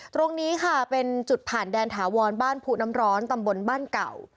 ตรงนี้ค่ะเป็นจุดผ่านแดนถาวรบ้านผู้น้ำร้อนตำบลบ้านเก่า